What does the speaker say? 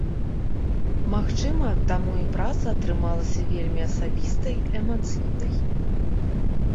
Магчыма, таму і праца атрымалася вельмі асабістай, эмацыйнай.